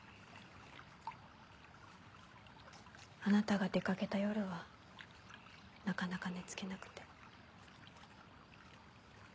あなたが出掛けた夜はなかなか寝付けなくて。